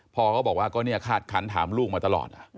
พ่อก็บอกว่าก็คาดครรภ์ถามลูกมาตลอด